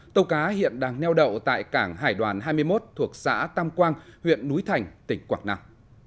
tàu cá hiện đang neo đậu tại cảng hải đoàn hai mươi một thuộc xã tam quang huyện núi thành tỉnh quảng nam